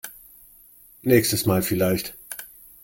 Nächstes Mal vielleicht.